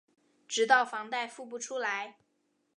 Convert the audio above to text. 直到房贷付不出来